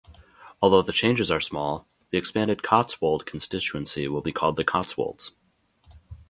Although the changes are small, the expanded Cotswold constituency will be called The Cotswolds.